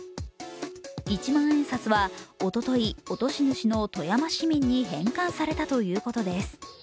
一万円札はおととい、落とし主の富山市民に返還されたということです。